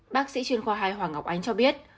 bác sĩ chuyên khoa hai hoàng ngọc ánh cho biết